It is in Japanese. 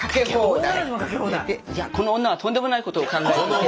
この女はとんでもないことを考えていて。